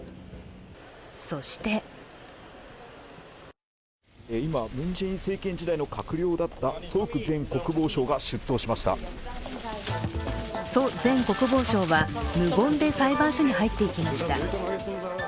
そして今、ムン・ジェイン政権時代の閣僚だったソ・ウク氏前国防相が出頭しましたソ前国防相は無言で裁判所に入っていきました。